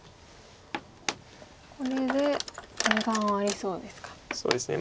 これで２眼はありそうですか。